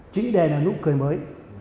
chỉ để là lúc cười mới